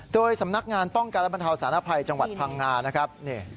โดยสำนักงานป้องกันและบรรเทาสารภัยจังหวัดพังงานะครับ